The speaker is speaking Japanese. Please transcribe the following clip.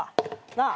なあ？